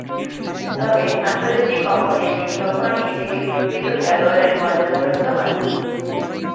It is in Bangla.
তবে, আন্তর্জাতিক অঙ্গনে তিনি কখনো নিজেকে প্রকৃত খেলোয়াড়ের মর্যাদাপ্রাপ্ত হননি।